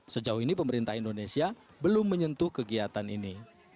sejauh ini pemerintah indonesia belum menyentuh kegiatan ini